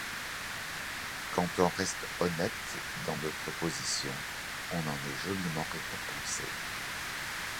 Quand on reste honnête, dans notre position, on en est joliment récompensé.